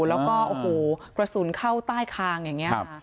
แล้วก็โอ้โหกระสุนเข้าใต้คางอย่างนี้ค่ะ